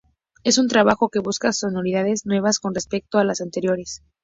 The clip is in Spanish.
Es un trabajo que busca sonoridades nuevas con respecto a los anteriores.